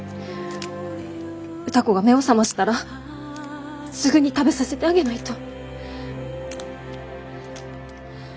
歌子が目を覚ましたらすぐに食べさせてあげないと。